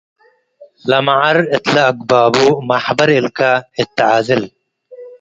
ለመዐር እትለ አግባቡ፡ መሕበር እልከ እት ተዓዝል